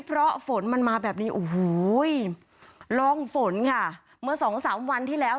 เพราะฝนมันมาแบบนี้โอ้โหร่องฝนค่ะเมื่อสองสามวันที่แล้ว